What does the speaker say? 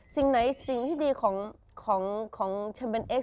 สิ่งไหนสิ่งที่ดีของแชมเป็นเอ็ก